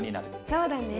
そうだね。